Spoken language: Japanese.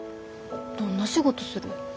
どんな仕事する？